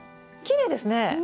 きれいですね！